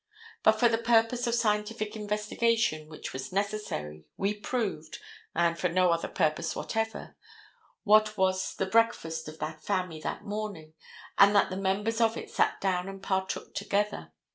But for the purpose of scientific investigation which was necessary, we proved—and for no other purpose whatever—what was the breakfast of that family that morning, and that the members of it sat down and partook together.